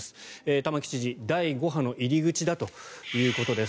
玉城知事、第５波の入り口だということです。